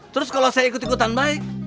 terus kalau saya ikut ikutan baik